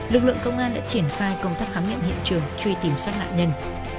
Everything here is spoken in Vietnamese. lực lượng công an đã triển khai công tác khám nghiệm hiện trường truy tìm sát nạn nhân